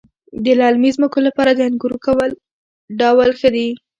د للمي ځمکو لپاره د انګورو کوم ډول ښه دی؟